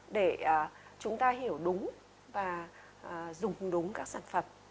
để chúng ta hiểu đúng và dùng đúng các sản phẩm